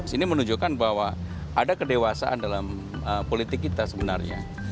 ini menunjukkan bahwa ada kedewasaan dalam politik kita sebenarnya